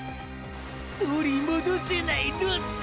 取り戻せないロス！！